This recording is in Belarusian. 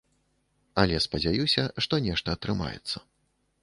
Але спадзяюся, што нешта атрымаецца.